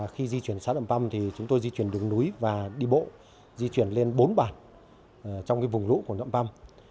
khi di chuyển xã nạm păm thì chúng tôi di chuyển đường núi và đi bộ di chuyển lên bốn bản trong vùng lũ của nậm păm